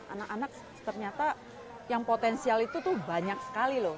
anak anak ternyata yang potensial itu tuh banyak sekali loh